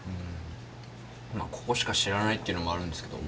まあここしか知らないっていうのもあるんですけど。